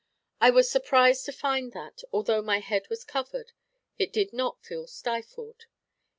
I was surprised to find that, although my head was covered, I did not feel stifled.